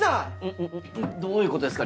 んんどういうことですか？